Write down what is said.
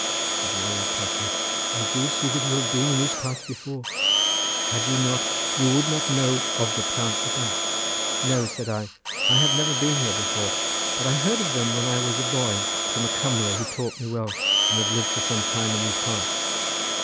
said the old postman, "I do see that you have been in these parts before; had you not you would not know of the Plant de Bat." "No," said I, "I have never been here before; but I heard of them when I was a boy from a Cumro who taught me Welsh, and had lived for some time in these parts.